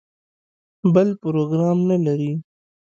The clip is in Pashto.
بل پروګرام نه لري.